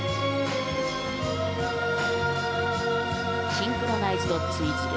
シンクロナイズドツイズル。